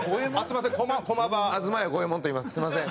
すみません。